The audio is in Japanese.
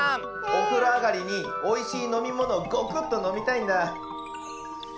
おふろあがりにおいしいのみものをゴクッとのみたいんだ。